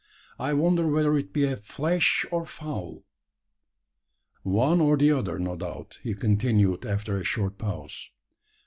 I wonder whether it be flesh or fowl." "One or the other, no doubt," he continued, after a short pause.